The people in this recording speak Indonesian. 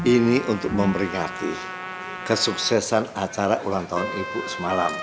ini untuk memberi hati kesuksesan acara ulanja